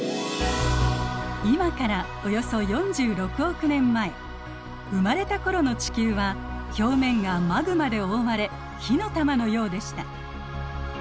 今からおよそ生まれた頃の地球は表面がマグマで覆われ火の玉のようでした。